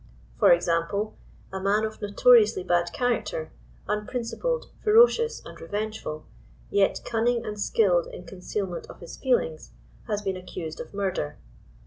For example, a man of notoriously bad character, unprinci pled, ferocious and revengeful, yet cunning and skilled in con cealment of his feelings, has been accused of murder.